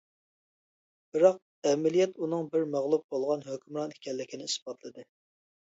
بىراق، ئەمەلىيەت ئۇنىڭ بىر مەغلۇپ بولغان ھۆكۈمران ئىكەنلىكىنى ئىسپاتلىدى.